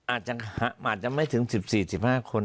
อาจจะไม่ถึง๑๔๑๕คน